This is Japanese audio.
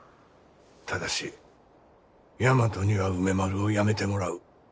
ただし大和には梅丸をやめてもらう。